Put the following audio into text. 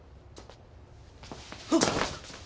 あっ！